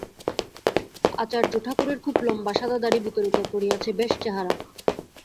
আচার্য ঠাকুরের খুব লম্বা সাদা দাড়ি বুকের ওপর পড়িয়াছে, বেশ চেহারা।